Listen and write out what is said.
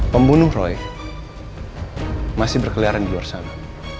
pembunuh roy masih berkeliaran di luar sana